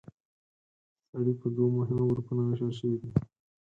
سرې په دوو مهمو ګروپونو ویشل شوې دي.